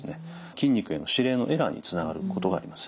筋肉への指令のエラーにつながることがあります。